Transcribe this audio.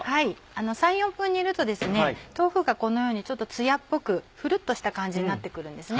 ３４分煮ると豆腐がこのようにちょっとツヤっぽくフルっとした感じになって来るんですね。